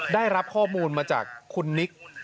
ได้รับข้อมูลมาจากคุณนิก